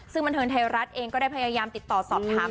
ซึ่งบรรทะย์รัสเองก็ได้พยายามติดต่อสอบถาม